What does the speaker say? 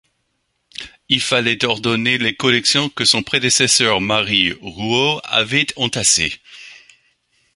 Il fallait ordonner les collections que son prédécesseur Marie Rouault avaient entassées.